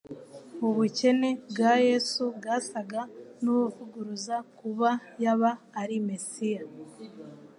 Ubukene bwa Yesu bwasaga n'ubuvliguruza kuba yaba ari Mesiya.